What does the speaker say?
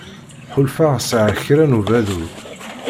Ḥulfaɣ sεiɣ kra n udabu.